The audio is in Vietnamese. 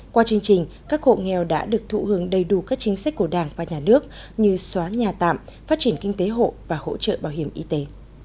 qua chương trình các hộ nghèo đã được thụ hưởng đầy đủ các chính sách của đảng và nhà nước như xóa nhà tạm phát triển kinh tế hộ và hỗ trợ bảo hiểm y tế